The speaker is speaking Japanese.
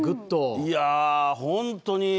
いやあ、本当に。